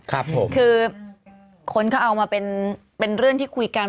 คือคนเขาเอามาเป็นเรื่องที่คุยกัน